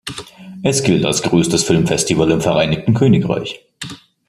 Es gilt als größtes Filmfestival im Vereinigten Königreich.